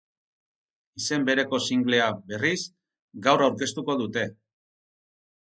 Izen bereko singlea, berriz, gaur aurkeztu dute.